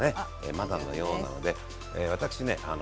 まだのようなので私ね